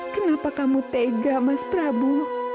kenapa kamu tega mas prabu